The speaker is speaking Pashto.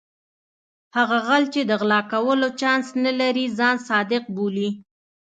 هغه غل چې د غلا کولو چانس نه لري ځان صادق بولي.